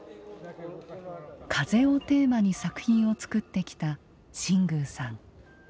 風をテーマに作品をつくってきた新宮さん。